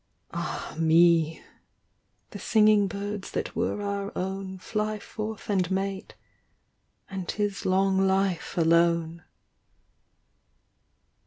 Ah me ! the singing birds that were our own Fly forth and mate : and 'tis long life alone.